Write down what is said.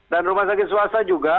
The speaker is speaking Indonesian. dan rumah sakit swasta juga